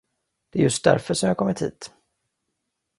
Der är just därför, som jag kommit hit.